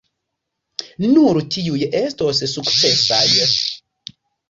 Nur tiuj estos sukcesaj.